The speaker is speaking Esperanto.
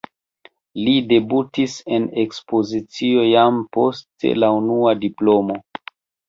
Li debutis en ekspozicio jam post la unua diplomo.